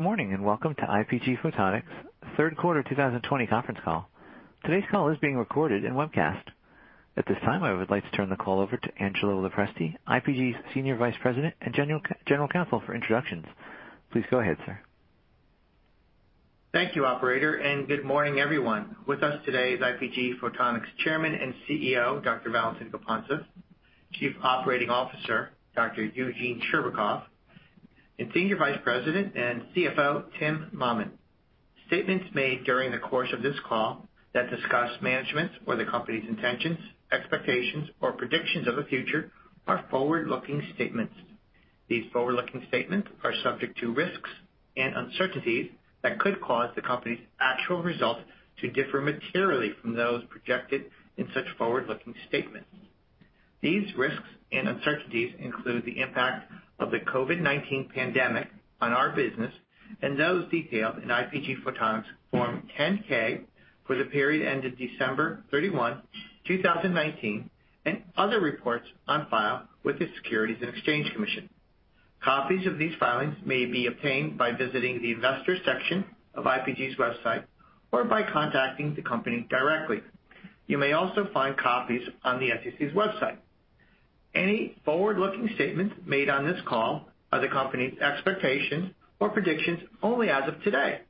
Morning, welcome to IPG Photonics Third Quarter 2020 Conference Call. Today's call is being recorded and webcast. At this time, I would like to turn the call over to Angelo Lopresti, IPG's Senior Vice President and General Counsel for introductions. Please go ahead, sir. Thank you, operator, good morning, everyone. With us today is IPG Photonics Chairman and CEO, Dr. Valentin Gapontsev, Chief Operating Officer, Dr. Eugene Scherbakov, and Senior Vice President and CFO, Tim Mammen. Statements made during the course of this call that discuss management or the company's intentions, expectations, or predictions of the future are forward-looking statements. These forward-looking statements are subject to risks and uncertainties that could cause the company's actual results to differ materially from those projected in such forward-looking statements. These risks and uncertainties include the impact of the COVID-19 pandemic on our business and those detailed in IPG Photonics Form 10-K for the period ending December 31, 2019, and other reports on file with the Securities and Exchange Commission. Copies of these filings may be obtained by visiting the investor section of IPG's website or by contacting the company directly. You may also find copies on the SEC's website. Any forward-looking statements made on this call are the company's expectations or predictions only as of today,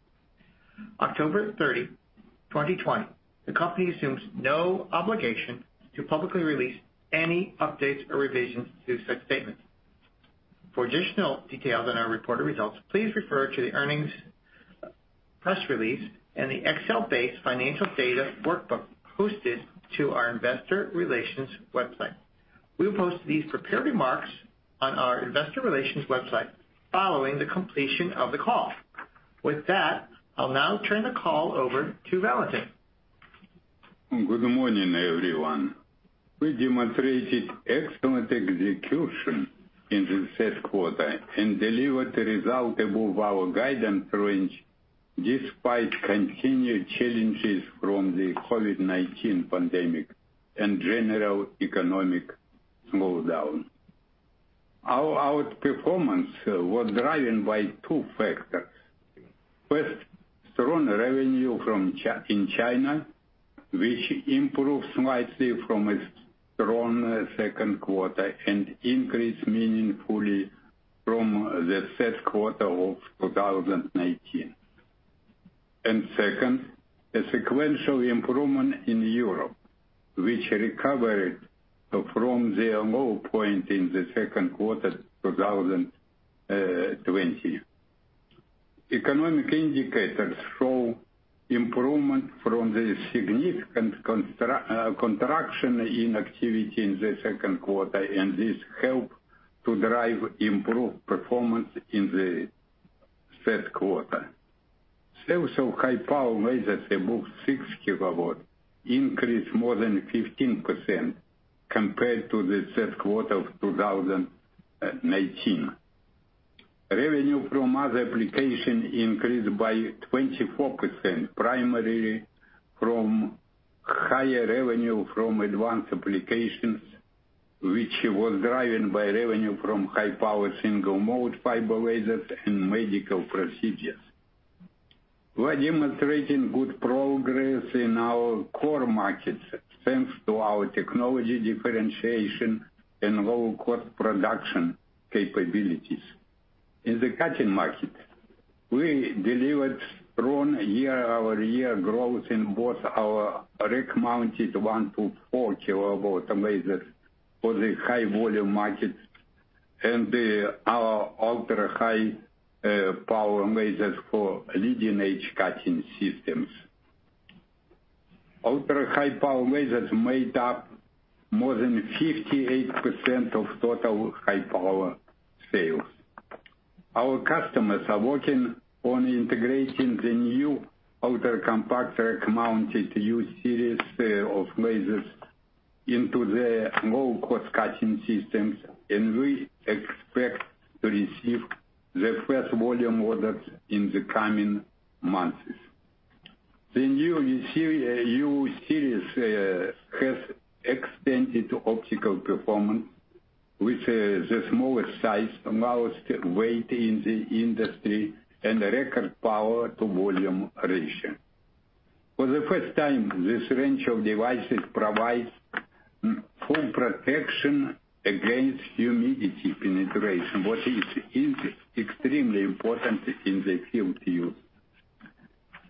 October 30, 2020. The company assumes no obligation to publicly release any updates or revisions to such statements. For additional details on our reported results, please refer to the earnings press release and the Excel-based financial data workbook posted to our investor relations website. We'll post these prepared remarks on our investor relations website following the completion of the call. With that, I'll now turn the call over to Valentin. Good morning, everyone. We demonstrated excellent execution in the third quarter and delivered the result above our guidance range despite continued challenges from the COVID-19 pandemic and general economic slowdown. Our performance was driven by two factors. First, strong revenue in China, which improved slightly from a strong second quarter and increased meaningfully from the third quarter of 2019. Second, a sequential improvement in Europe, which recovered from the low point in the second quarter 2020. Economic indicators show improvement from the significant contraction in activity in the second quarter, and this helped to drive improved performance in the third quarter. Sales of high power lasers above 6 kW increased more than 15% compared to the third quarter of 2019. Revenue from other applications increased by 24%, primarily from higher revenue from advanced applications, which was driven by revenue from high power single mode fiber lasers in medical procedures. We're demonstrating good progress in our core markets, thanks to our technology differentiation and low-cost production capabilities. In the cutting market, we delivered strong year-over-year growth in both our rack-mounted 1 kW-4 kW lasers for the high volume markets and our ultra-high power lasers for leading-edge cutting systems. Ultra-high power lasers made up more than 58% of total high power sales. Our customers are working on integrating the new ultra-compact rack-mounted U series of lasers into their low-cost cutting systems, and we expect to receive the first volume orders in the coming months. The new U series has extended optical performance with the smallest size, lowest weight in the industry, and record power to volume ratio. For the first time, this range of devices provides full protection against humidity penetration, what is extremely important in the field use.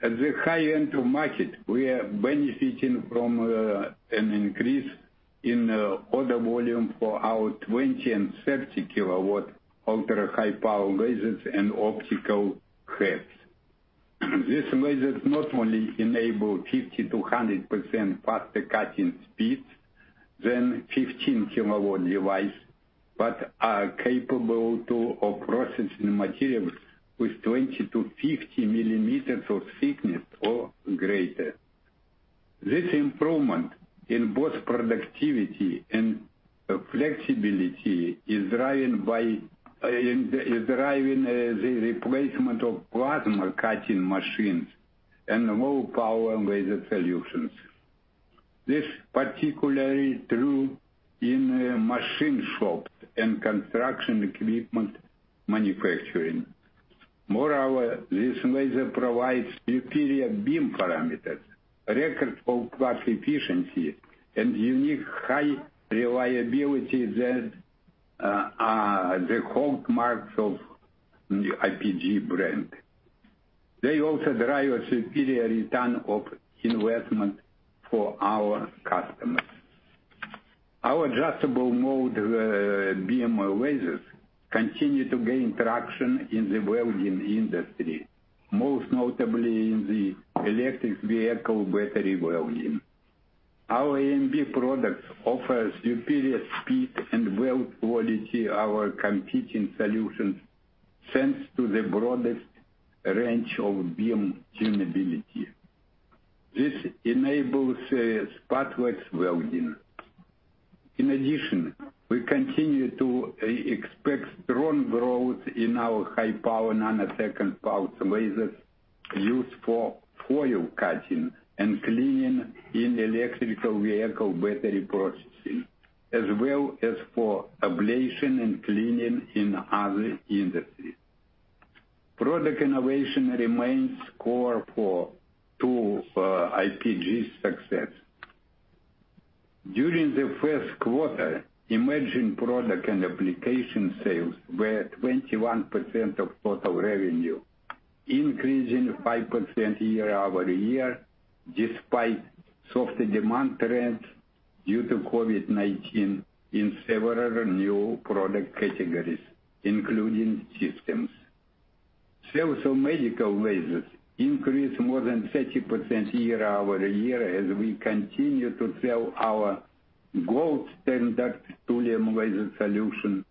At the high end market, we are benefiting from an increase in order volume for our 20 kW and 30 kW ultra-high power lasers and optical heads. These lasers not only enable 50%-100% faster cutting speeds than 15 kW device, but are capable of processing materials with 20 mm-50 mm of thickness or greater. This improvement in both productivity and flexibility is driving the replacement of plasma cutting machines and lower power laser solutions. This is particularly true in machine shops and construction equipment manufacturing. This laser provides superior beam parameters, record for class efficiency, and unique high reliability. They are the hallmarks of the IPG brand. They also drive a superior return on investment for our customers. Our Adjustable Mode Beam lasers continue to gain traction in the welding industry, most notably in the electric vehicle battery welding. Our AMB products offers superior speed and weld quality, our competing solutions, thanks to the broadest range of beam tunability. This enables spotless welding. In addition, we continue to expect strong growth in our high-power nanosecond pulse lasers used for foil cutting and cleaning in electrical vehicle battery processing, as well as for ablation and cleaning in other industries. Product innovation remains core to IPG's success. During the first quarter, emerging product and application sales were 21% of total revenue, increasing 5% year-over-year, despite softer demand trend due to COVID-19 in several new product categories, including systems. Sales of medical lasers increased more than 30% year-over-year as we continue to sell our gold standard thulium laser solution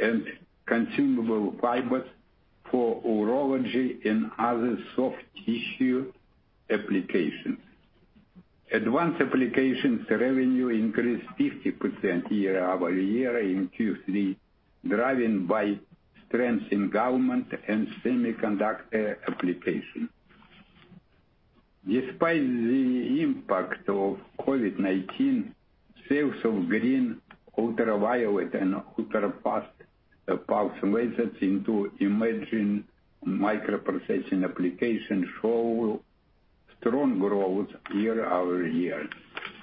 and consumable fibers for urology and other soft tissue applications. Advanced applications revenue increased 50% year-over-year in Q3, driven by strengths in government and semiconductor applications. Despite the impact of COVID-19, sales of green, ultraviolet, and ultrapulse lasers into emerging microprocessing applications show strong growth year-over-year.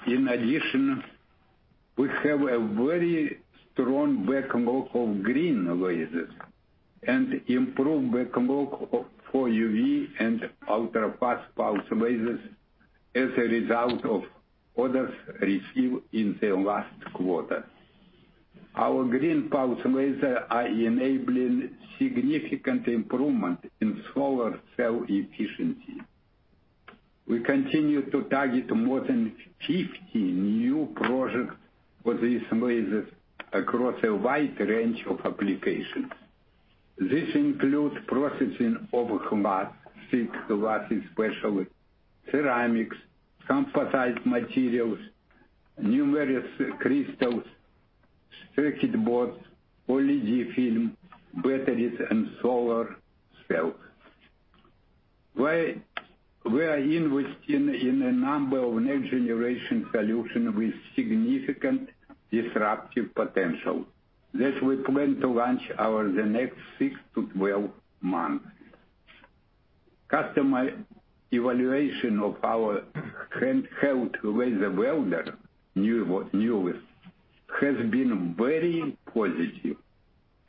In addition, we have a very strong backlog of green lasers and improved backlog for UV and ultrapulse lasers as a result of orders received in the last quarter. Our green pulsed laser are enabling significant improvement in solar cell efficiency. We continue to target more than 50 new projects for these lasers across a wide range of applications. This includes processing of glass, thick glass especially, ceramics, composite materials, numerous crystals, circuit boards, OLED film, batteries, and solar cells. We are investing in a number of next generation solution with significant disruptive potential that we plan to launch over the next 6 to 12 months. Customer evaluation of our LightWELD has been very positive.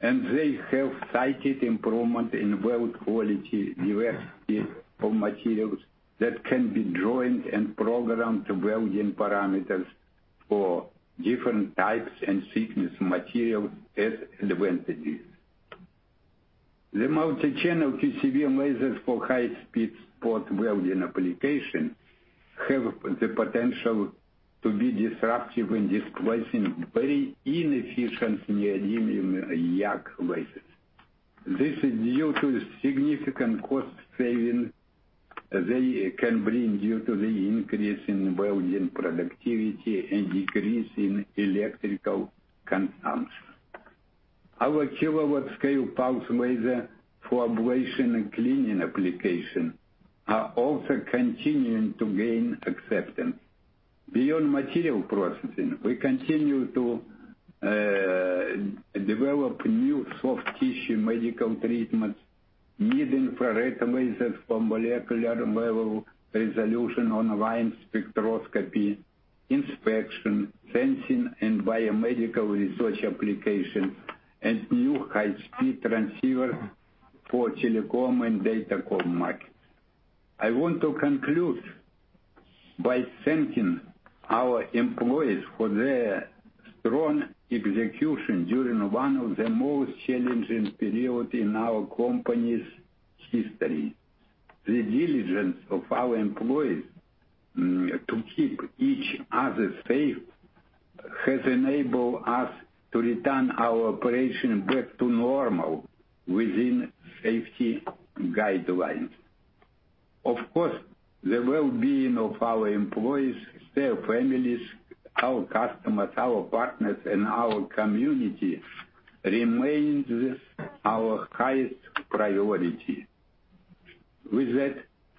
They have cited improvement in weld quality, diversity of materials that can be joined, and programmed welding parameters for different types and thickness of material as advantages. The multi-channel TCV lasers for high-speed spot welding application have the potential to be disruptive in displacing very inefficient Nd:YAG lasers. This is due to significant cost saving they can bring due to the increase in welding productivity and decrease in electrical consumption. Our kilowatt scale pulsed laser for ablation and cleaning application are also continuing to gain acceptance. Beyond material processing, we continue to develop new soft tissue medical treatments, mid-infrared lasers for molecular level resolution online spectroscopy, inspection, sensing and biomedical research applications, and new high-speed transceiver for telecom and datacom markets. I want to conclude by thanking our employees for their strong execution during one of the most challenging period in our company's history. The diligence of our employees to keep each other safe has enabled us to return our operation back to normal within safety guidelines. Of course, the well-being of our employees, their families, our customers, our partners, and our community remains our highest priority. With that,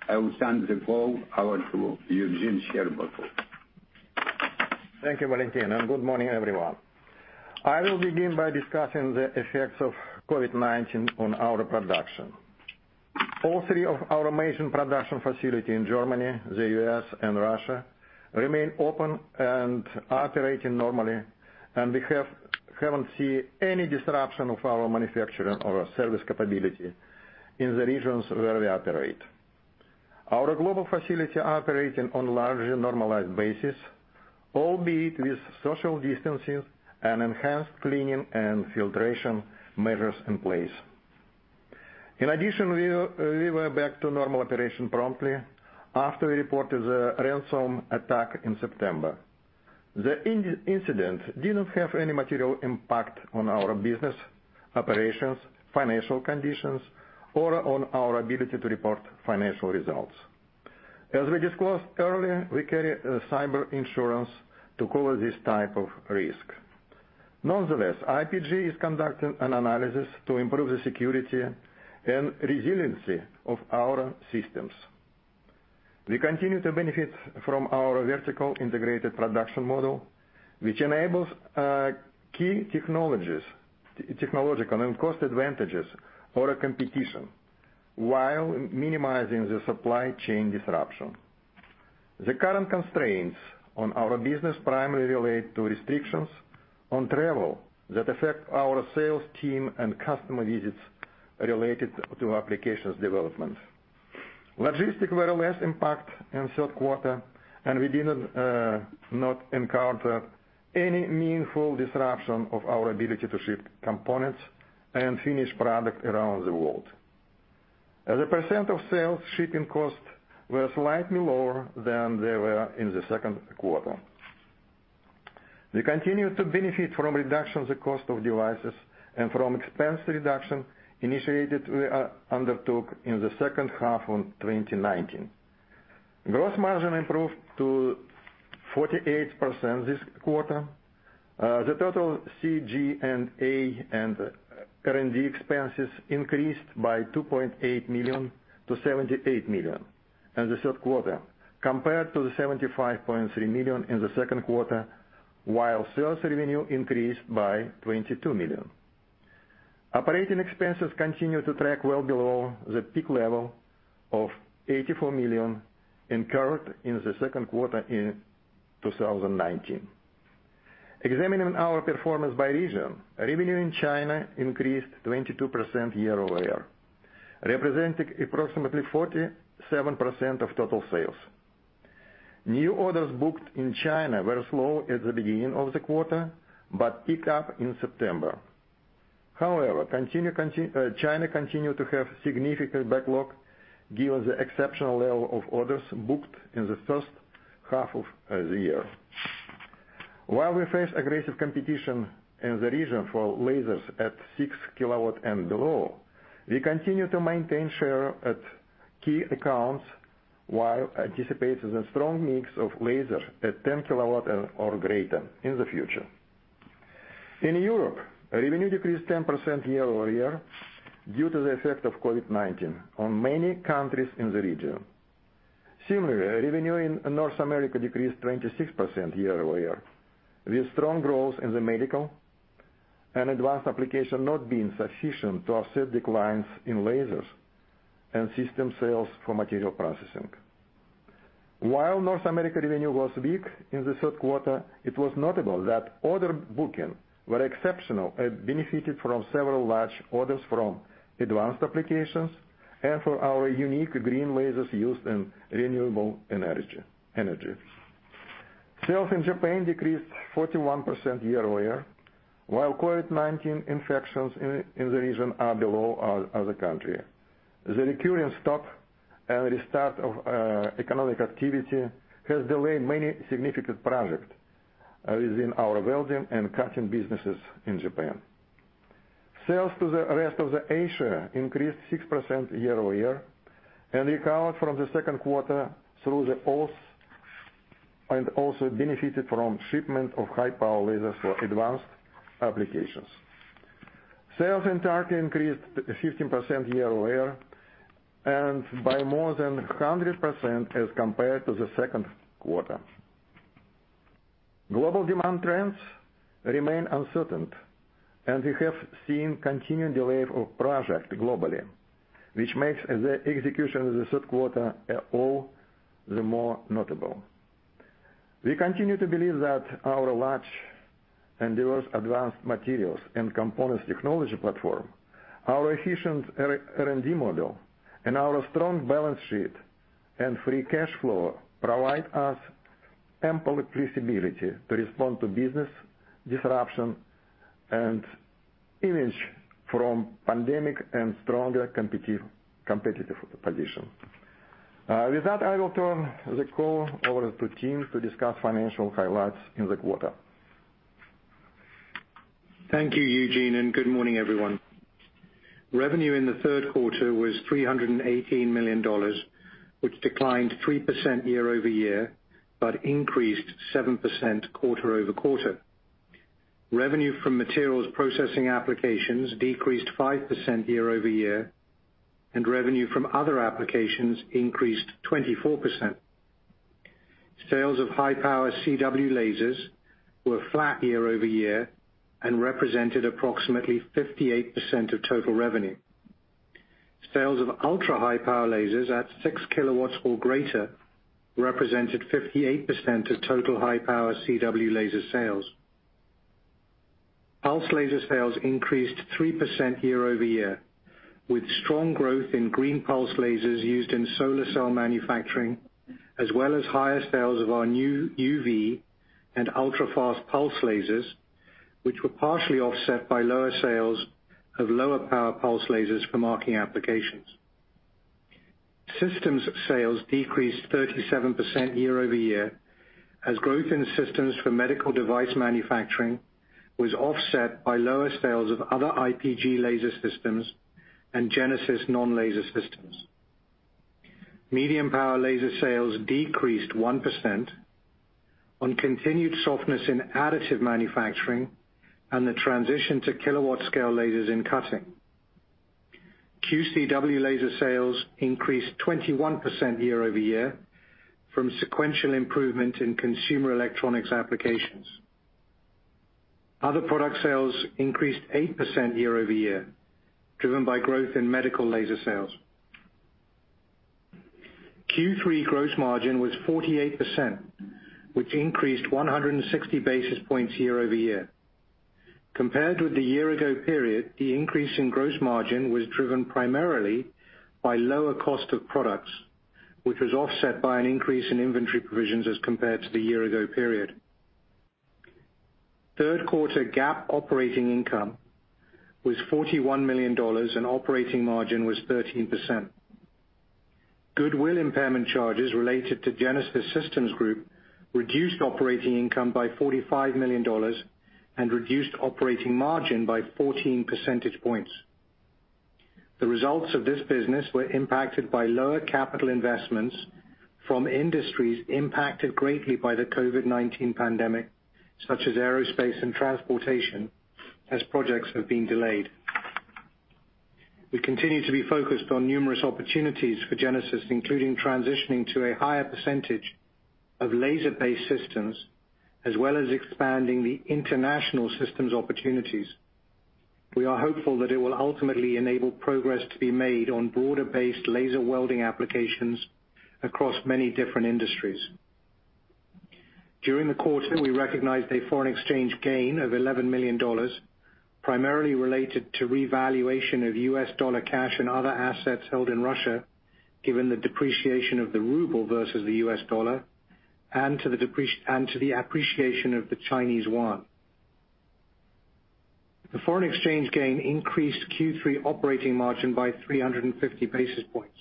I will send the call over to Eugene Scherbakov. Thank you, Valentin. Good morning, everyone. I will begin by discussing the effects of COVID-19 on our production. All three of our major production facility in Germany, the U.S., and Russia remain open and operating normally, and we haven't seen any disruption of our manufacturing or our service capability in the regions where we operate. Our global facility operating on largely normalized basis, albeit with social distancing and enhanced cleaning and filtration measures in place. In addition, we were back to normal operation promptly after we reported the ransom attack in September. The incident did not have any material impact on our business operations, financial conditions, or on our ability to report financial results. As we disclosed earlier, we carry cyber insurance to cover this type of risk. Nonetheless, IPG is conducting an analysis to improve the security and resiliency of our systems. We continue to benefit from our vertically integrated production model, which enables key technologies, technological and cost advantages for our competition while minimizing the supply chain disruption. The current constraints on our business primarily relate to restrictions on travel that affect our sales team and customer visits related to applications development. Logistics were less impacted in third quarter, and we did not encounter any meaningful disruption of our ability to ship components and finished product around the world. As a percent of sales, shipping costs were slightly lower than they were in the second quarter. We continue to benefit from reduction of the cost of devices and from expense reduction initiated, we undertook in the second half of 2019. Gross margin improved to 48% this quarter. The total SG&A and R&D expenses increased by $2.8 million to $78 million in the third quarter, compared to the $75.3 million in the second quarter, while sales revenue increased by $22 million. Operating expenses continue to track well below the peak level of $84 million incurred in the second quarter in 2019. Examining our performance by region, revenue in China increased 22% year-over-year, representing approximately 47% of total sales. New orders booked in China were slow at the beginning of the quarter but picked up in September. China continued to have significant backlog given the exceptional level of orders booked in the first half of the year. While we face aggressive competition in the region for lasers at 6 kW and below, we continue to maintain share at key accounts while anticipating a strong mix of laser at 10 kW or greater in the future. In Europe, revenue decreased 10% year-over-year due to the effect of COVID-19 on many countries in the region. Similarly, revenue in North America decreased 26% year-over-year, with strong growth in the medical and advanced application not being sufficient to offset declines in lasers and system sales for material processing. While North America revenue was weak in the third quarter, it was notable that order booking were exceptional and benefited from several large orders from advanced applications and for our unique green lasers used in renewable energy. Sales in Japan decreased 41% year-over-year. While COVID-19 infections in the region are below other countries, the recurring stop and restart of economic activity has delayed many significant projects within our welding and cutting businesses in Japan. Sales to the rest of Asia increased 6% year-over-year and recovered from the second quarter through the quarter, and also benefited from shipment of high power lasers for advanced applications. Sales in Turkey increased 15% year-over-year and by more than 100% as compared to the second quarter. Global demand trends remain uncertain. We have seen continuing delay of projects globally, which makes the execution of the third quarter all the more notable. We continue to believe that our large and diverse advanced materials and components technology platform, our efficient R&D model, and our strong balance sheet and free cash flow provide us ample flexibility to respond to business disruption and emerge from pandemic and stronger competitive position. With that, I will turn the call over to Tim to discuss financial highlights in the quarter. Thank you, Eugene, and good morning, everyone. Revenue in the third quarter was $318 million, which declined 3% year-over-year, increased 7% quarter-over-quarter. Revenue from materials processing applications decreased 5% year-over-year, revenue from other applications increased 24%. Sales of high-power CW lasers were flat year-over-year and represented approximately 58% of total revenue. Sales of ultra-high power lasers at 6 kW or greater represented 58% of total high-power CW laser sales. Pulsed laser sales increased 3% year-over-year, with strong growth in green pulsed lasers used in solar cell manufacturing, as well as higher sales of our new UV and ultrafast pulsed lasers, which were partially offset by lower sales of lower power pulsed lasers for marking applications. Systems sales decreased 37% year-over-year, as growth in systems for medical device manufacturing was offset by lower sales of other IPG laser systems and Genesis non-laser systems. Medium power laser sales decreased 1% on continued softness in additive manufacturing and the transition to kilowatt scale lasers in cutting. QCW laser sales increased 21% year-over-year from sequential improvement in consumer electronics applications. Other product sales increased 8% year-over-year, driven by growth in medical laser sales. Q3 gross margin was 48%, which increased 160 basis points year-over-year. Compared with the year ago period, the increase in gross margin was driven primarily by lower cost of products, which was offset by an increase in inventory provisions as compared to the year ago period. Third quarter GAAP operating income was $41 million and operating margin was 13%. Goodwill impairment charges related to Genesis Systems Group reduced operating income by $45 million and reduced operating margin by 14 percentage points. The results of this business were impacted by lower capital investments from industries impacted greatly by the COVID-19 pandemic, such as aerospace and transportation, as projects have been delayed. We continue to be focused on numerous opportunities for Genesis, including transitioning to a higher percentage of laser-based systems, as well as expanding the international systems opportunities. We are hopeful that it will ultimately enable progress to be made on broader-based laser welding applications across many different industries. During the quarter, we recognized a foreign exchange gain of $11 million, primarily related to revaluation of U.S. dollar cash and other assets held in Russia, given the depreciation of the ruble versus the U.S. dollar, and to the appreciation of the Chinese yuan. The foreign exchange gain increased Q3 operating margin by 350 basis points.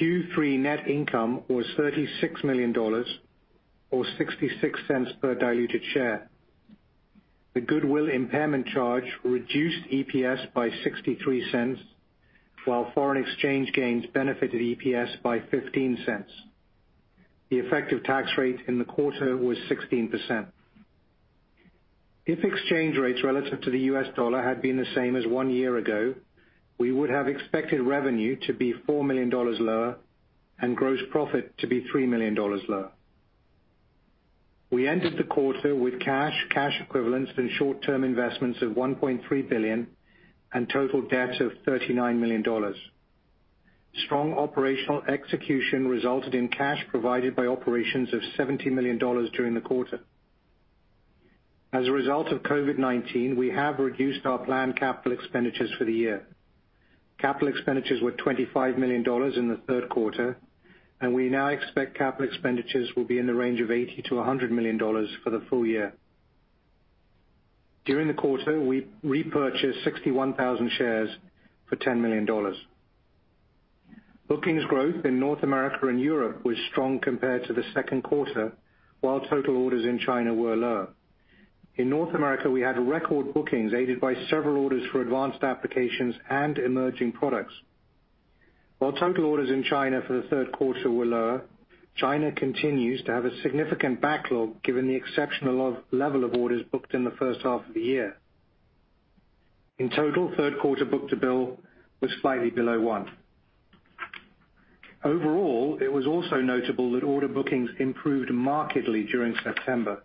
Q3 net income was $36 million, or $0.66 per diluted share. The goodwill impairment charge reduced EPS by $0.63, while foreign exchange gains benefited EPS by $0.15. The effective tax rate in the quarter was 16%. If exchange rates relative to the U.S. dollar had been the same as one year ago, we would have expected revenue to be $4 million lower and gross profit to be $3 million lower. We ended the quarter with cash equivalents, and short-term investments of $1.3 billion and total debts of $39 million. Strong operational execution resulted in cash provided by operations of $70 million during the quarter. As a result of COVID-19, we have reduced our planned capital expenditures for the year. Capital expenditures were $25 million in the third quarter. We now expect capital expenditures will be in the range of $80 million-$100 million for the full year. During the quarter, we repurchased 61,000 shares for $10 million. Bookings growth in North America and Europe was strong compared to the second quarter, while total orders in China were low. In North America, we had record bookings aided by several orders for advanced applications and emerging products. While total orders in China for the third quarter were lower, China continues to have a significant backlog given the exceptional level of orders booked in the first half of the year. In total, third quarter book-to-bill was slightly below one. Overall, it was also notable that order bookings improved markedly during September.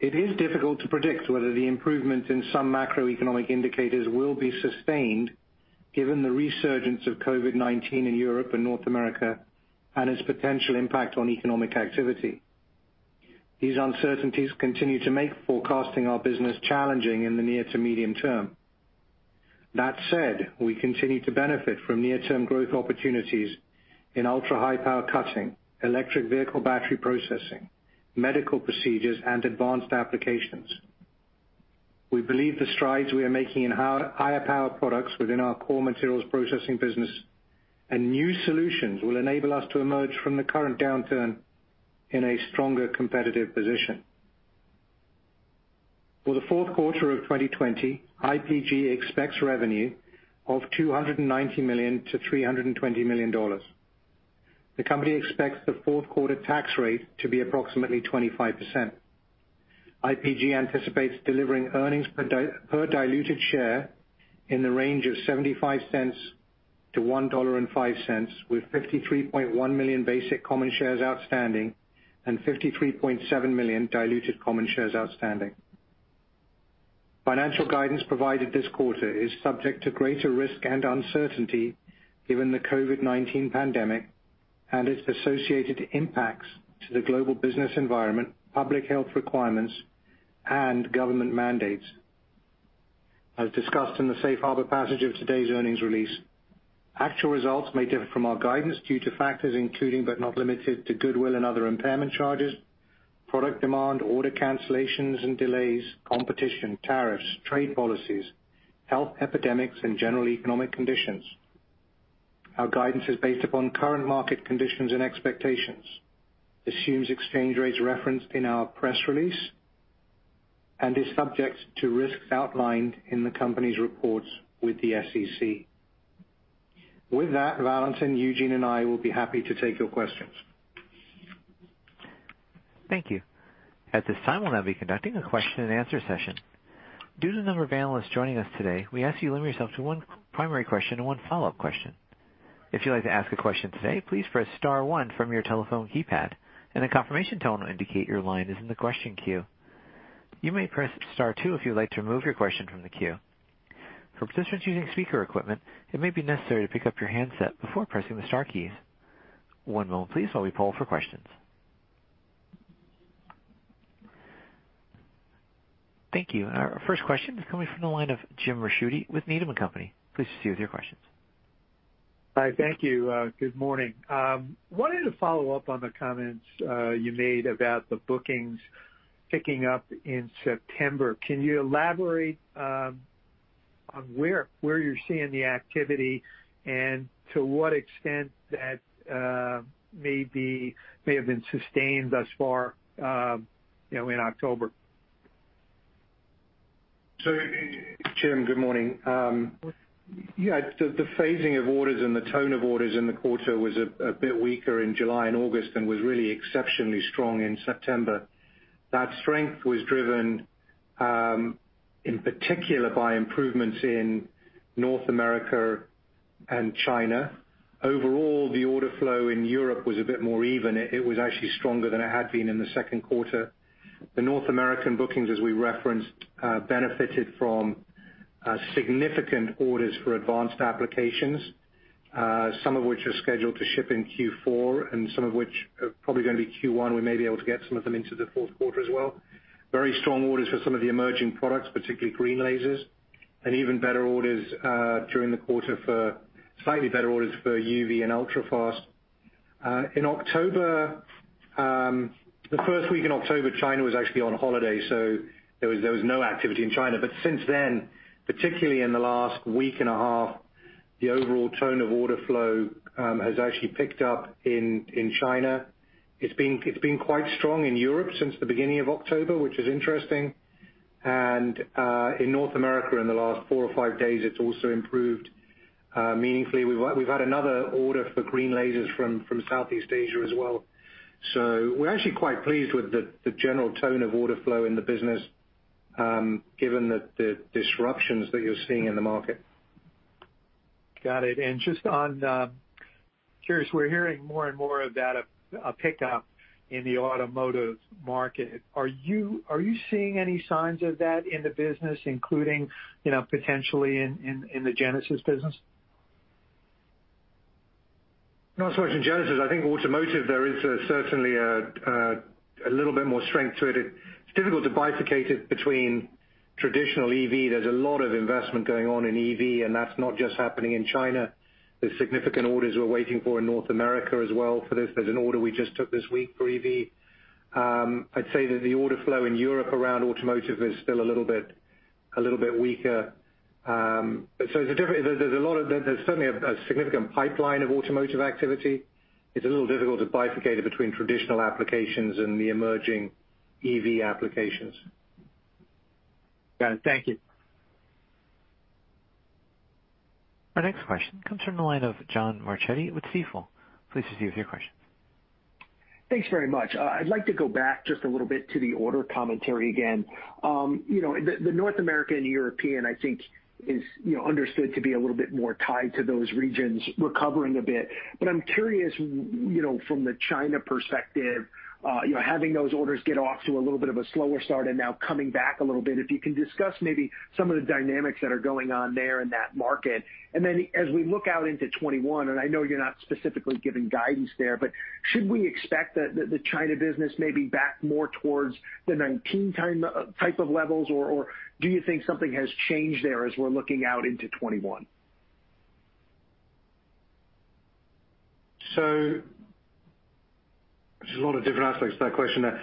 It is difficult to predict whether the improvement in some macroeconomic indicators will be sustained given the resurgence of COVID-19 in Europe and North America, and its potential impact on economic activity. These uncertainties continue to make forecasting our business challenging in the near to medium term. That said, we continue to benefit from near-term growth opportunities in ultra-high power cutting, electric vehicle battery processing, medical procedures, and advanced applications. We believe the strides we are making in higher power products within our core materials processing business and new solutions will enable us to emerge from the current downturn in a stronger competitive position. For the fourth quarter of 2020, IPG expects revenue of $290 million to $320 million. The company expects the fourth quarter tax rate to be approximately 25%. IPG anticipates delivering earnings per diluted share in the range of $0.75 to $1.05, with 53.1 million basic common shares outstanding and 53.7 million diluted common shares outstanding. Financial guidance provided this quarter is subject to greater risk and uncertainty given the COVID-19 pandemic and its associated impacts to the global business environment, public health requirements, and government mandates. As discussed in the Safe Harbor passage of today's earnings release, actual results may differ from our guidance due to factors including, but not limited to, goodwill and other impairment charges, product demand, order cancellations and delays, competition, tariffs, trade policies, health epidemics, and general economic conditions. Our guidance is based upon current market conditions and expectations, assumes exchange rates referenced in our press release, and is subject to risks outlined in the company's reports with the SEC. With that, Valentin, Eugene, and I will be happy to take your questions. Thank you. At this time, we'll now be conducting a question and answer session. Due to the number of analysts joining us today, we ask you to limit yourself to one primary question and one follow-up question. If you'd like to ask a question today, please press star one from your telephone keypad, and a confirmation tone will indicate your line is in the question queue. You may press star two if you'd like to remove your question from the queue. If you're listening using speaker equipment, it may be necessary to pick up your handset before pressing the star keys. One moment, please, while we poll for questions. Thank you. Our first question is coming from the line of Jim Ricchiuti with Needham & Company. Please proceed with your questions. Hi. Thank you. Good morning. I wanted to follow up on the comments you made about the bookings picking up in September. Can you elaborate on where you're seeing the activity and to what extent that may have been sustained thus far in October? Jim, good morning. The phasing of orders and the tone of orders in the quarter was a bit weaker in July and August and was really exceptionally strong in September. That strength was driven, in particular, by improvements in North America and China. Overall, the order flow in Europe was a bit more even. It was actually stronger than it had been in the second quarter. The North American bookings, as we referenced, benefited from significant orders for advanced applications, some of which are scheduled to ship in Q4 and some of which are probably going to be Q1. We may be able to get some of them into the fourth quarter as well. Very strong orders for some of the emerging products, particularly green lasers, and even better orders during the quarter for slightly better orders for UV and ultrafast. In October, the first week in October, China was actually on holiday, so there was no activity in China. Since then, particularly in the last week and a half, the overall tone of order flow has actually picked up in China. It's been quite strong in Europe since the beginning of October, which is interesting. In North America in the last four or five days, it's also improved meaningfully. We've had another order for green lasers from Southeast Asia as well. We're actually quite pleased with the general tone of order flow in the business, given the disruptions that you're seeing in the market. Got it. Just curious, we're hearing more and more about a pickup in the automotive market. Are you seeing any signs of that in the business, including potentially in the Genesis business? Not so much in Genesis. I think automotive, there is certainly a little bit more strength to it. It's difficult to bifurcate it between traditional EV. There's a lot of investment going on in EV, and that's not just happening in China. There's significant orders we're waiting for in North America as well for this. There's an order we just took this week for EV. I'd say that the order flow in Europe around automotive is still a little bit weaker. There's certainly a significant pipeline of automotive activity. It's a little difficult to bifurcate it between traditional applications and the emerging EV applications. Got it. Thank you. Our next question comes from the line of John Marchetti with Stifel. Please proceed with your question. Thanks very much. I'd like to go back just a little bit to the order commentary again. The North American, European, I think is understood to be a little bit more tied to those regions recovering a bit. I'm curious from the China perspective, having those orders get off to a little bit of a slower start and now coming back a little bit, if you can discuss maybe some of the dynamics that are going on there in that market? As we look out into 2021, and I know you're not specifically giving guidance there, but should we expect that the China business may be back more towards the 2019 type of levels? Or do you think something has changed there as we're looking out into 2021? There's a lot of different aspects to that question there.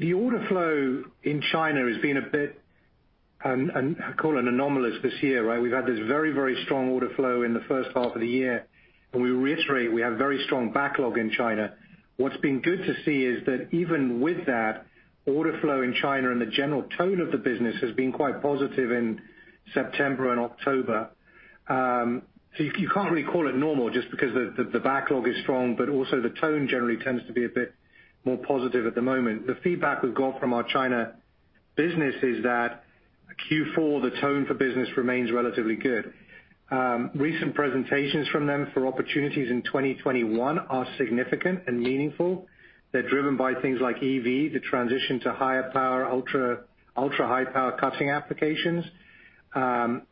The order flow in China has been a bit anomalous this year, right? We've had this very, very strong order flow in the first half of the year, and we reiterate we have very strong backlog in China. What's been good to see is that even with that order flow in China and the general tone of the business has been quite positive in September and October. You can't really call it normal just because the backlog is strong, but also the tone generally tends to be a bit more positive at the moment. The feedback we've got from our China business is that Q4, the tone for business remains relatively good. Recent presentations from them for opportunities in 2021 are significant and meaningful. They're driven by things like EV, the transition to higher power, ultra-high power cutting applications.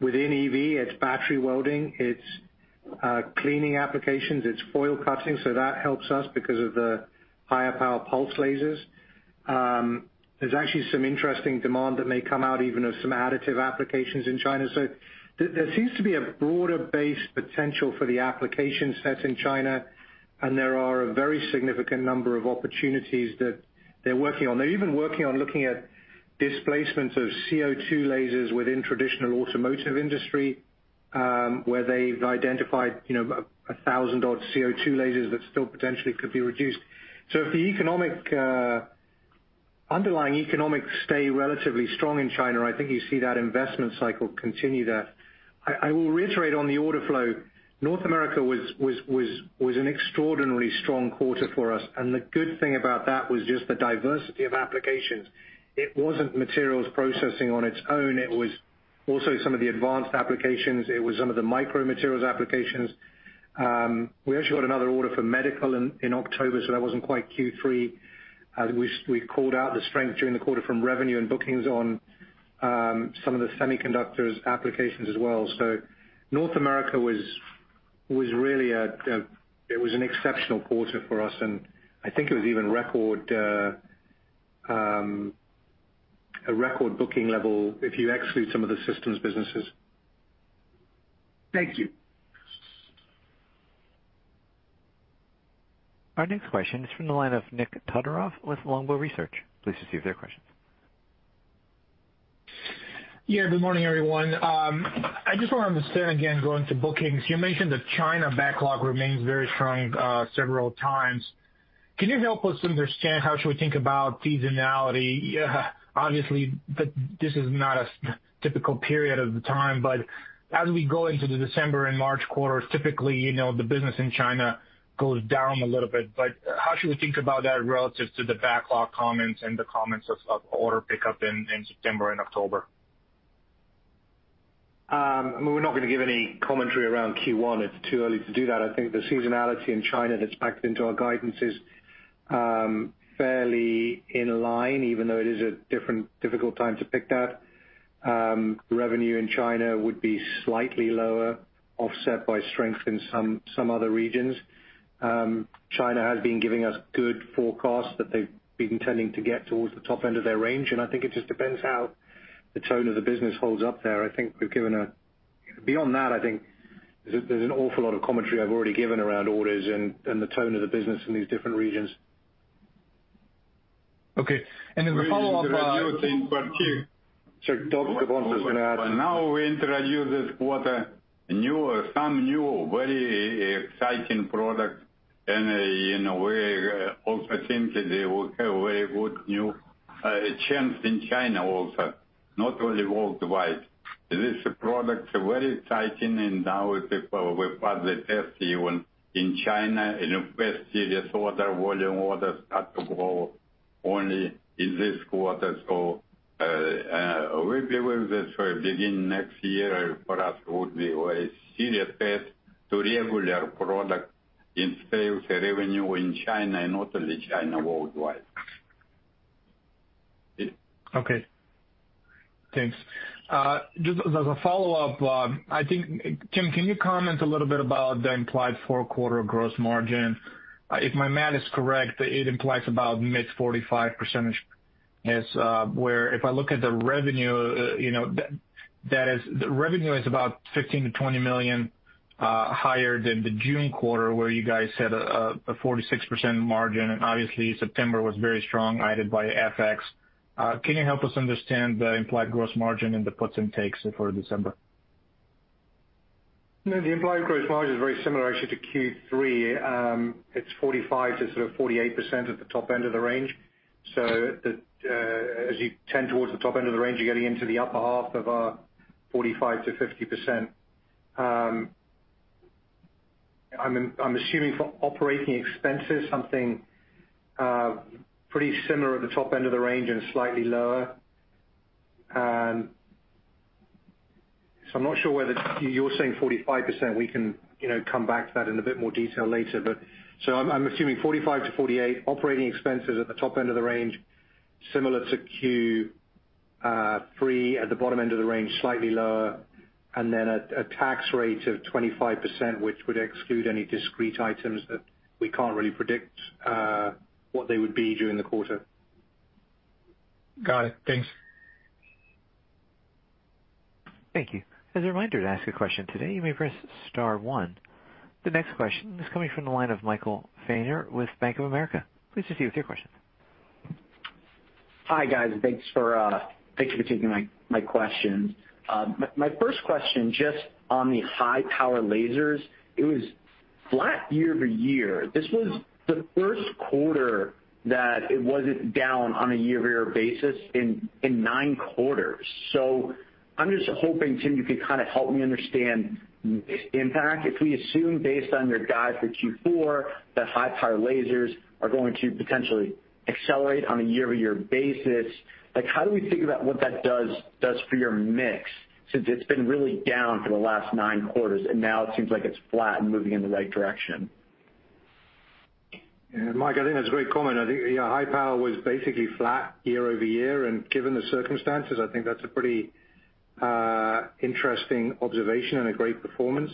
Within EV, it's battery welding, it's cleaning applications, it's foil cutting. That helps us because of the higher power pulse lasers. There's actually some interesting demand that may come out even of some additive applications in China. There seems to be a broader base potential for the application set in China, and there are a very significant number of opportunities that they're working on. They're even working on looking at displacements of CO2 lasers within traditional automotive industry, where they've identified 1,000 odd CO2 lasers that still potentially could be reduced. If the underlying economics stay relatively strong in China, I think you see that investment cycle continue there. I will reiterate on the order flow, North America was an extraordinarily strong quarter for us, and the good thing about that was just the diversity of applications. It wasn't materials processing on its own. It was also some of the advanced applications. It was some of the micro materials applications. We actually got another order for medical in October, so that wasn't quite Q3. We called out the strength during the quarter from revenue and bookings on some of the semiconductors applications as well. North America, it was an exceptional quarter for us, and I think it was even a record booking level if you exclude some of the systems businesses. Thank you. Our next question is from the line of Nik Todorov with Longbow Research. Pleased to receive their questions. Yeah, good morning, everyone. I just want to understand, again, going to bookings. You mentioned that China backlog remains very strong several times. Can you help us understand how should we think about seasonality? Obviously, this is not a typical period of the time, as we go into the December and March quarters, typically, the business in China goes down a little bit. How should we think about that relative to the backlog comments and the comments of order pickup in September and October? We're not going to give any commentary around Q1. It's too early to do that. I think the seasonality in China that's backed into our guidance is fairly in line, even though it is a difficult time to pick that. Revenue in China would be slightly lower, offset by strength in some other regions. China has been giving us good forecasts that they've been tending to get towards the top end of their range, and I think it just depends how the tone of the business holds up there. Beyond that, I think there's an awful lot of commentary I've already given around orders and the tone of the business in these different regions. Okay. We introduce Sorry, Nik, Valentin is going to add. Now we introduce this quarter some new very exciting product. We also think that they will have very good new chance in China also, not only worldwide. This product very exciting, and now people will pass the test even in China, in a very serious order, volume orders start to grow only in this quarter. We believe that for beginning next year, for us it would be a very serious test to regular product in sales revenue in China and not only China, worldwide. Okay. Thanks. Just as a follow-up, I think, Tim, can you comment a little bit about the implied fourth quarter gross margin? If my math is correct, it implies about mid-45%. If I look at the revenue, the revenue is about $15 million-$20 million higher than the June quarter where you guys had a 46% margin, and obviously September was very strong, aided by FX. Can you help us understand the implied gross margin and the puts and takes for December? No, the implied gross margin is very similar actually to Q3. It's 45%-48% at the top end of the range. As you tend towards the top end of the range, you're getting into the upper half of our 45%-50%. I'm assuming for operating expenses, something pretty similar at the top end of the range and slightly lower. I'm not sure whether you're saying 45%. We can come back to that in a bit more detail later. I'm assuming 45%-48%, operating expenses at the top end of the range, similar to Q3. At the bottom end of the range, slightly lower, and then a tax rate of 25%, which would exclude any discrete items that we can't really predict what they would be during the quarter. Got it. Thanks. Thank you. As a reminder, to ask a question today, you may press star one. The next question is coming from the line of Michael Feniger with Bank of America. Please proceed with your question. Hi, guys. Thanks for taking my questions. My first question, just on the high-power lasers, it was flat year-over-year. This was the first quarter that it wasn't down on a year-over-year basis in nine quarters. I'm just hoping, Tim, you could kind of help me understand the impact. If we assume based on your guide for Q4 that high-power lasers are going to potentially accelerate on a year-over-year basis, how do we think about what that does for your mix, since it's been really down for the last nine quarters, and now it seems like it's flat and moving in the right direction? Yeah, Mike, I think that's a great comment. I think high power was basically flat year-over-year, and given the circumstances, I think that's a pretty interesting observation and a great performance.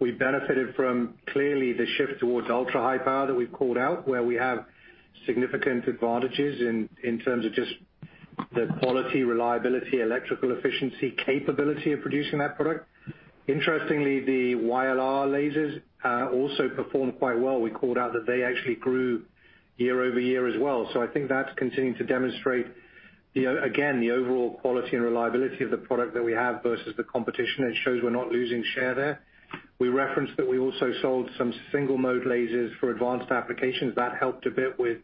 We benefited from clearly the shift towards ultra-high power that we've called out, where we have significant advantages in terms of just the quality, reliability, electrical efficiency capability of producing that product. Interestingly, the YLR lasers also performed quite well. We called out that they actually grew year-over-year as well. I think that's continuing to demonstrate, again, the overall quality and reliability of the product that we have versus the competition. It shows we're not losing share there. We referenced that we also sold some single mode lasers for advanced applications. That helped a bit with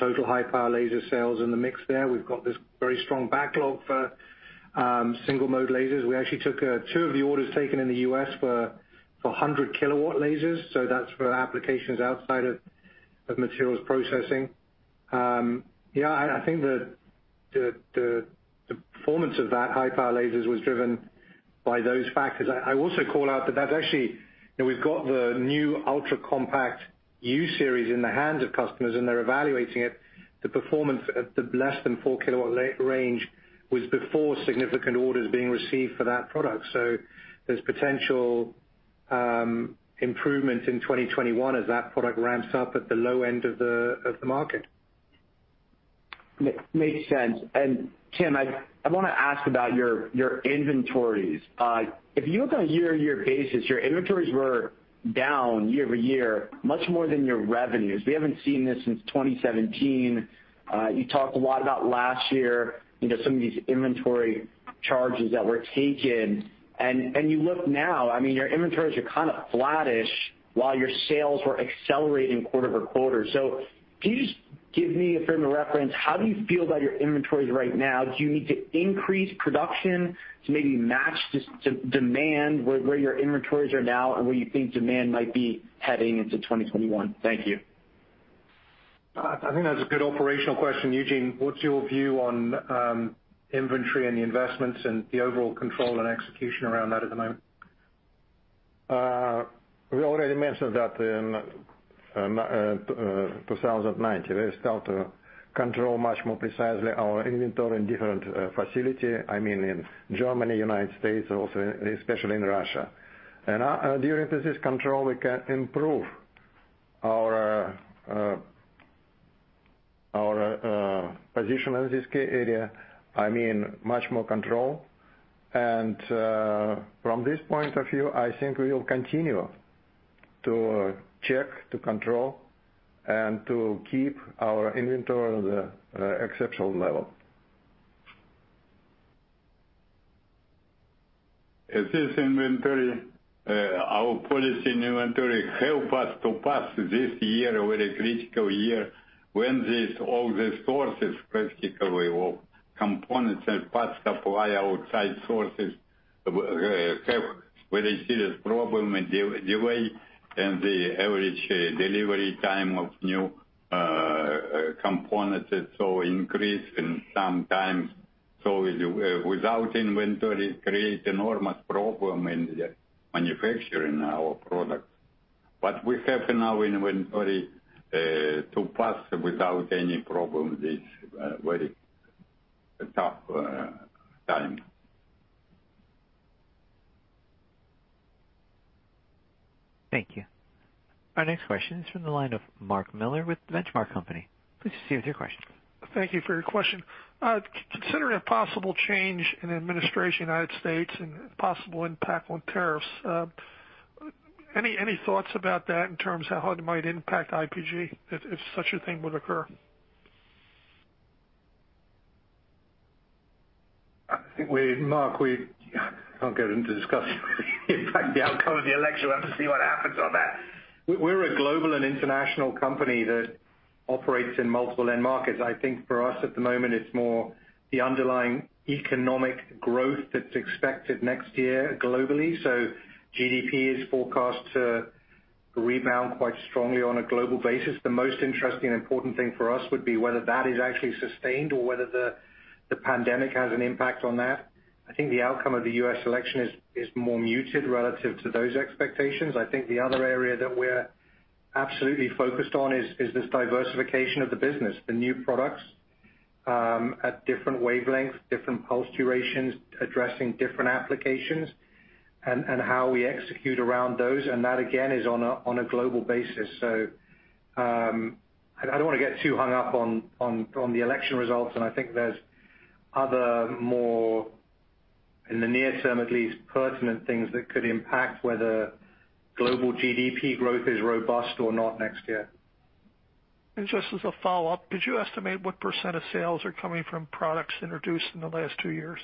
total high power laser sales in the mix there. We've got this very strong backlog for single mode lasers. We actually took two of the orders taken in the U.S. for 100 kW lasers. That's for applications outside of materials processing. Yeah, I think the performance of that high-power lasers was driven by those factors. I also call out that that's actually, we've got the new ultra-compact U Series in the hands of customers, and they're evaluating it. The performance at the less than four kilowatt range was before significant orders being received for that product. There's potential improvement in 2021 as that product ramps up at the low end of the market. Makes sense. Tim, I want to ask about your inventories. If you look on a year-over-year basis, your inventories were down year-over-year much more than your revenues. We haven't seen this since 2017. You talked a lot about last year, some of these inventory charges that were taken. You look now, I mean, your inventories are kind of flattish while your sales were accelerating quarter-over-quarter. Can you just give me a frame of reference, how do you feel about your inventories right now? Do you need to increase production to maybe match the demand where your inventories are now and where you think demand might be heading into 2021? Thank you. I think that's a good operational question. Eugene, what's your view on inventory and the investments and the overall control and execution around that at the moment? We already mentioned that in 2019, we start to control much more precisely our inventory in different facility. I mean, in Germany, United States, also especially in Russia. During this control, we can improve our position in this key area. I mean, much more control. From this point of view, I think we will continue to check, to control, and to keep our inventory on the exceptional level. This inventory, our policy in inventory help us to pass this year, very critical year, when this, all the sources, practically, of components and parts supply outside sources have very serious problem and delay, and the average delivery time of new components is so increased. Without inventory create enormous problem in the manufacturing our products. We have now inventory, to pass without any problem this very tough time. Thank you. Our next question is from the line of Mark Miller with Benchmark Company. Please proceed with your question. Thank you for your question. Considering a possible change in administration United States and possible impact on tariffs, any thoughts about that in terms of how it might impact IPG if such a thing would occur? I think, Mark, we can't get into discussing the impact, the outcome of the election. We'll have to see what happens on that. We're a global and international company that operates in multiple end markets. I think for us at the moment, it's more the underlying economic growth that's expected next year globally. GDP is forecast to rebound quite strongly on a global basis. The most interesting and important thing for us would be whether that is actually sustained or whether the pandemic has an impact on that. I think the outcome of the U.S. election is more muted relative to those expectations. I think the other area that we're absolutely focused on is this diversification of the business, the new products at different wavelengths, different pulse durations, addressing different applications. How we execute around those. That, again, is on a global basis. I don't want to get too hung up on the election results, and I think there's other more, in the near term at least, pertinent things that could impact whether global GDP growth is robust or not next year. Just as a follow-up, could you estimate what percent of sales are coming from products introduced in the last two years?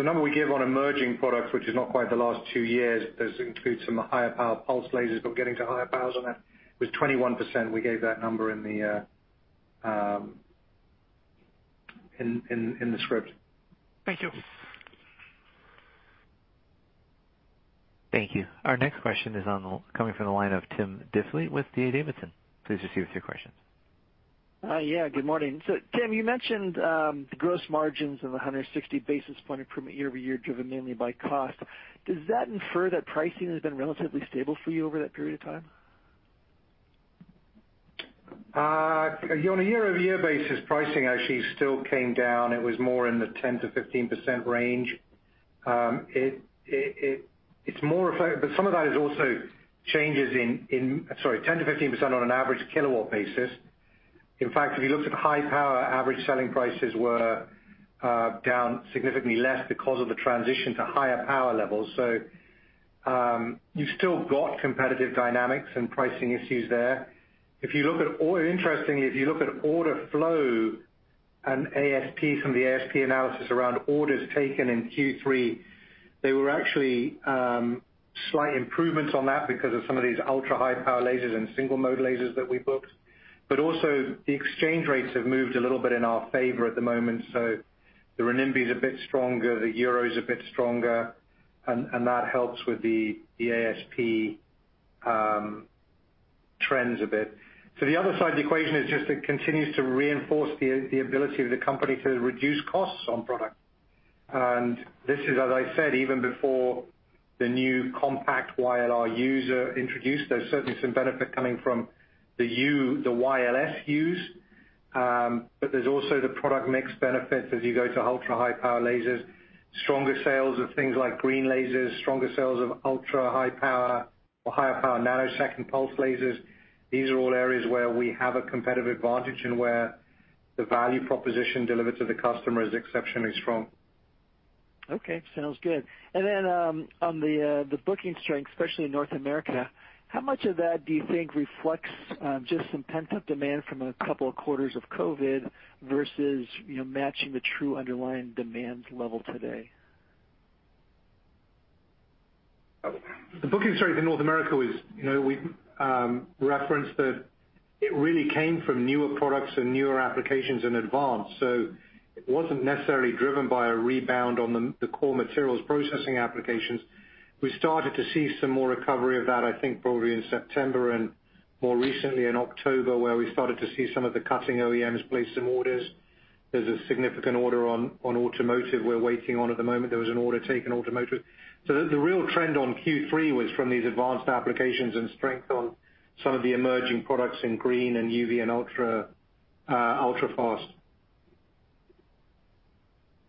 The number we give on emerging products, which is not quite the last two years, does include some higher power pulsed lasers, but getting to higher powers on that was 21%. We gave that number in the script. Thank you. Thank you. Our next question is coming from the line of Tom Diffely with D.A. Davidson. Please proceed with your questions. Yeah, good morning. Tim, you mentioned gross margins of 160 basis point improvement year-over-year driven mainly by cost. Does that infer that pricing has been relatively stable for you over that period of time? On a year-over-year basis, pricing actually still came down. It was more in the 10%-15% range. Some of that is also changes in, sorry, 10%-15% on an average kilowatt basis. In fact, if you looked at high power, average selling prices were down significantly less because of the transition to higher power levels. You've still got competitive dynamics and pricing issues there. Interestingly, if you look at order flow and ASP from the ASP analysis around orders taken in Q3, there were actually slight improvements on that because of some of these ultra-high power lasers and single mode lasers that we booked. Also, the exchange rates have moved a little bit in our favor at the moment, so the renminbi is a bit stronger, the euro is a bit stronger, and that helps with the ASP trends a bit. The other side of the equation is just it continues to reinforce the ability of the company to reduce costs on product. This is, as I said, even before the new compact YLR-U series introduced, there's certainly some benefit coming from the YLS use. There's also the product mix benefits as you go to ultra-high power lasers, stronger sales of things like green lasers, stronger sales of ultra-high power or higher power nanosecond pulse lasers. These are all areas where we have a competitive advantage and where the value proposition delivered to the customer is exceptionally strong. Okay, sounds good. On the booking strength, especially in North America, how much of that do you think reflects just some pent-up demand from a couple of quarters of COVID versus matching the true underlying demand level today? The booking strength in North America is, we referenced that it really came from newer products and newer applications in advance. It wasn't necessarily driven by a rebound on the core materials processing applications. We started to see some more recovery of that, I think probably in September and more recently in October, where we started to see some of the cutting OEMs place some orders. There's a significant order on automotive we're waiting on at the moment. There was an order taken automotive. The real trend on Q3 was from these advanced applications and strength on some of the emerging products in green and UV and ultrafast.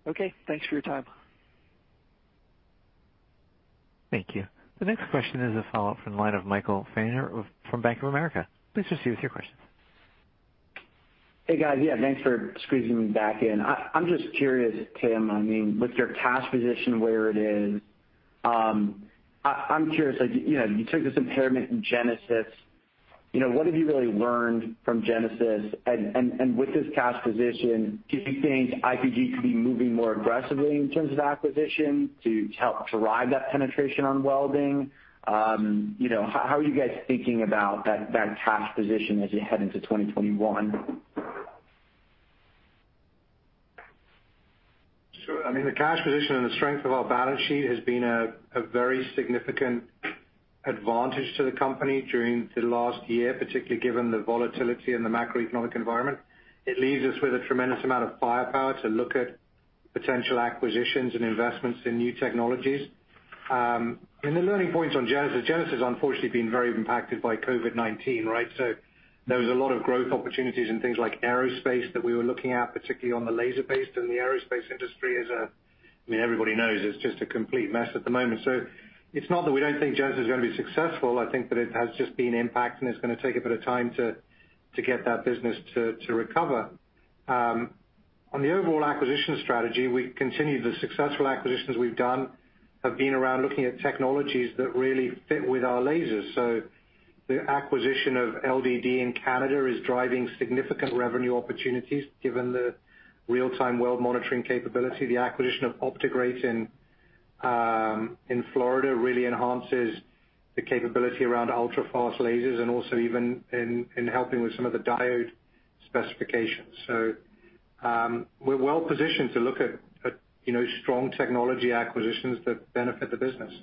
Okay, thanks for your time. Thank you. The next question is a follow-up from the line of Michael Feniger from Bank of America. Please proceed with your questions. Hey, guys. Yeah, thanks for squeezing me back in. I'm just curious, Tim, with your cash position where it is, I'm curious, you took this impairment in Genesis. What have you really learned from Genesis? With this cash position, do you think IPG could be moving more aggressively in terms of acquisition to help drive that penetration on welding? How are you guys thinking about that cash position as you head into 2021? Sure. The cash position and the strength of our balance sheet has been a very significant advantage to the company during the last year, particularly given the volatility in the macroeconomic environment. It leaves us with a tremendous amount of firepower to look at potential acquisitions and investments in new technologies. The learning points on Genesis unfortunately been very impacted by COVID-19, right. There was a lot of growth opportunities in things like aerospace that we were looking at, particularly on the laser-based, and the aerospace industry as everybody knows, is just a complete mess at the moment. It's not that we don't think Genesis is going to be successful. I think that it has just been impacted, and it's going to take a bit of time to get that business to recover. On the overall acquisition strategy, we continue the successful acquisitions we've done have been around looking at technologies that really fit with our lasers. The acquisition of LDD in Canada is driving significant revenue opportunities given the real-time weld monitoring capability. The acquisition of OptiGrate in Florida really enhances the capability around ultrafast lasers and also even in helping with some of the diode specifications. We're well positioned to look at strong technology acquisitions that benefit the business.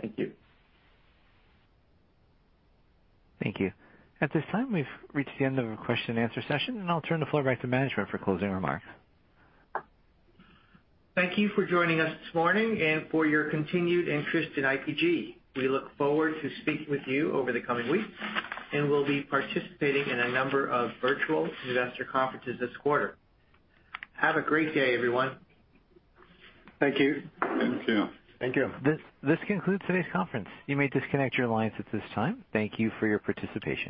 Thank you. Thank you. At this time, we've reached the end of our question and answer session, and I'll turn the floor back to management for closing remarks. Thank you for joining us this morning and for your continued interest in IPG. We look forward to speaking with you over the coming weeks, and we'll be participating in a number of virtual investor conferences this quarter. Have a great day, everyone. Thank you. Thank you. Thank you. This concludes today's conference. You may disconnect your lines at this time. Thank you for your participation.